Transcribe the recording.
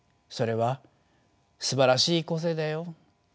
それはすばらしい個性だよ